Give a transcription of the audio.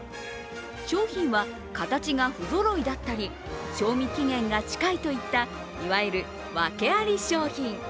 商品は形が不ぞろいだったり、賞味期限が近いといった、いわゆる訳あり商品。